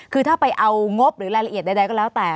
คือถ้าไปเอางบหรือรายละเอียดใดก็แล้วแต่